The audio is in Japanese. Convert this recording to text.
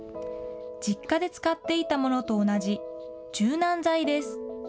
実家で使っていたものと同じ柔軟剤です。